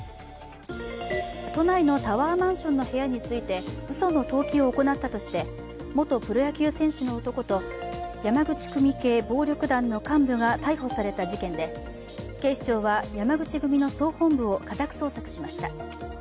都内のタワーマンションの部屋についてうその登記を行ったとして元プロ野球選手の男と山口組系暴力団の幹部が逮捕された事件で警視庁は山口組の総本部を家宅捜索しました。